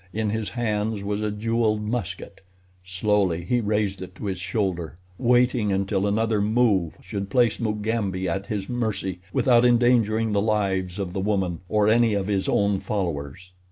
In his hands was a jeweled musket. Slowly he raised it to his shoulder, waiting until another move should place Mugambi at his mercy without endangering the lives of the woman or any of his own followers.